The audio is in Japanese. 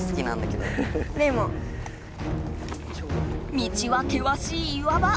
道はけわしい岩場。